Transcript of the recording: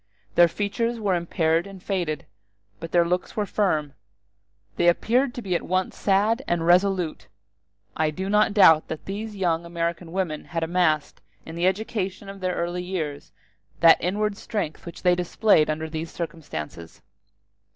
Their features were impaired and faded, but their looks were firm: they appeared to be at once sad and resolute. I do not doubt that these young American women had amassed, in the education of their early years, that inward strength which they displayed under these circumstances.